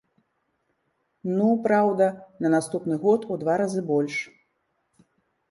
Ну, праўда, на наступны год у два разы больш.